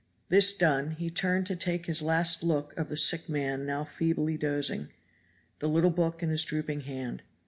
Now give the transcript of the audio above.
This done he turned to take his last look of the sick man now feebly dozing, the little book in his drooping hand.